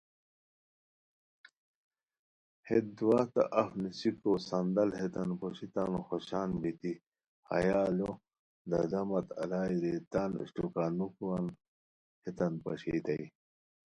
ہیت دواہتہ اف نیسیکو صندل ہیتان پوشی تان خوشان بیتی ہیا لو دادا مت الائے، ریئے تان اِشٹوکانوکان ہیتان پاشئیتائے